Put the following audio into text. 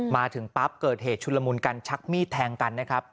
มาถึงปั๊บเกิดเหตุชุนละมุนกันชักมีดแทงกันนะครับ